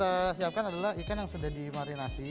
yang perlu kita siapkan adalah ikan yang sudah dimarinasi